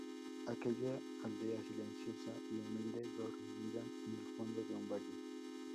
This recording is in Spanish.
aquella aldea silenciosa y humilde, dormida en el fondo de un valle